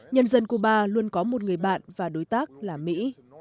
nhân dân cuba luôn có một người bạn và đối tác là mỹ